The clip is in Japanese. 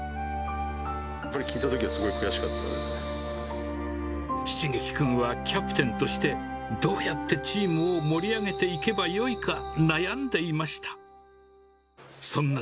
聞いたときはすごい悔しかっしげき君はキャプテンとして、どうやってチームを盛り上げていけばよいか、悩んでいました。